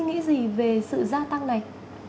giá tăng này